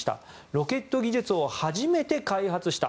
ロケット技術を初めて開発した。